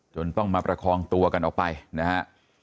ต้องมาประคองตัวกันออกไปนะฮะ